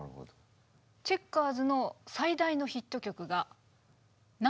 チェッカーズの最大のヒット曲が「ナンシーの休日」。